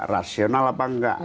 rasional apa enggak